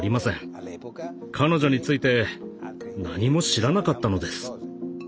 彼女について何も知らなかったのです。